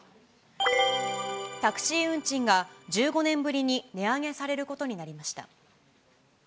タクシー運賃が１５年ぶりに値上げされることになりました。